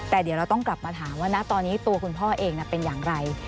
แต่เดี๋ยวเราต้องกลับมาถามว่านะตอนนี้ตัวคุณพ่อเองเป็นอย่างไร